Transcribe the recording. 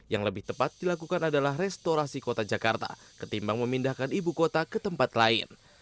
yang lebih tepat dilakukan adalah restorasi kota jakarta ketimbang memindahkan ibu kota ke tempat lain